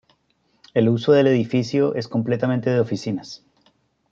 El uso del edificio es completamente de oficinas.